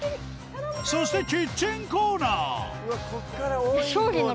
そしてキッチンコーナー広い。